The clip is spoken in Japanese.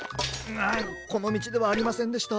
あこのみちではありませんでした。